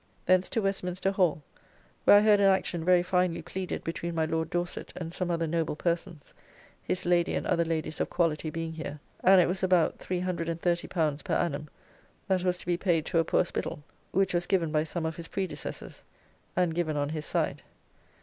Thence to Westminster Hall, where I heard an action very finely pleaded between my Lord Dorset and some other noble persons, his lady and other ladies of quality being here, and it was about; L330 per annum, that was to be paid to a poor Spittal, which was given by some of his predecessors; and given on his side.